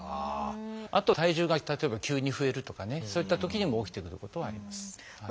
あと体重が例えば急に増えるとかねそういったときにも起きてくることはあります。